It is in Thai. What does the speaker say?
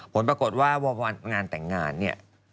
ผลปรากฏว่างานแต่งงานเนี่ย